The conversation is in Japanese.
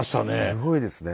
すごいですね。